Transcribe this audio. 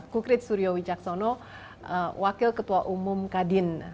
kukrit suryo wijaksono wakil ketua umum kadin